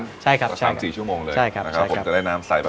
อยู่๓๔ชั่วโมงเลยต้มน้ำใสนี้นะครับ